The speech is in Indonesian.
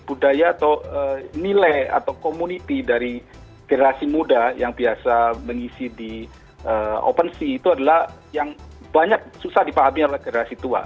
budaya atau nilai atau community dari generasi muda yang biasa mengisi di opensea itu adalah yang banyak susah dipahami oleh generasi tua